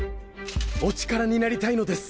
お力になりたいのです！